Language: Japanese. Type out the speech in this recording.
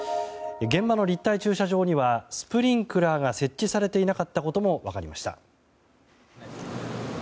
現場の立体駐車場にはスプリンクラーが設置されていなかったことも分かりました。